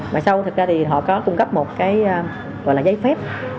mà sau thì họ có cung cấp một cái gọi là giấy phép